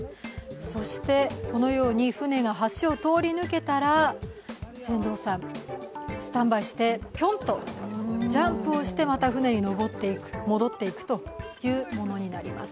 そしてこのように船が橋を通り抜けたら、船頭さん、スタンバイして、ぴょんとジャンプをしてまた船に戻っていくというものになります。